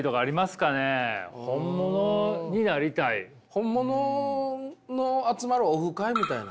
本物の集まるオフ会みたいな。